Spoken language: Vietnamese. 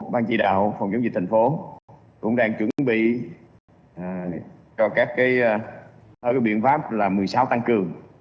ban chỉ đạo phòng chống dịch thành phố cũng đang chuẩn bị cho các biện pháp là một mươi sáu tăng cường